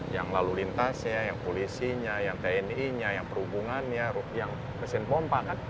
yang lalu lintasnya yang polisinya yang tni nya yang perhubungannya yang mesin pompa kan